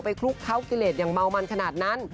คลุกเขากิเลสอย่างเมามันขนาดนั้น